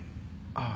ああ。